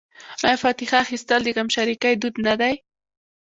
آیا فاتحه اخیستل د غمشریکۍ دود نه دی؟